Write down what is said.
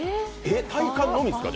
体幹のみですか？